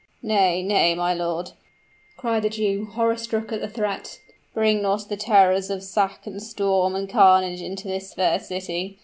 "Nay nay, my lord!" cried the Jew, horror struck at the threat; "bring not the terrors of sack, and storm, and carnage into this fair city!